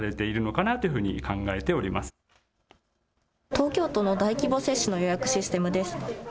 東京都の大規模接種の予約システムです。